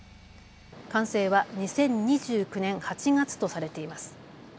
完成は２０２９年８月とされています。